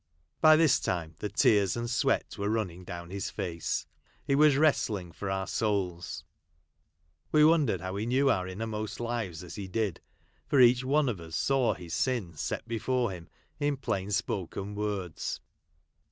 By this time the tears and sweat were running down his face ; he was wrestling for our souls. We wondered how he knew our innermost lives as he did, for each one of us saw his sin set before him in plain spoken words.